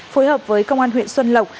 phối hợp với công an huyện xuân lộc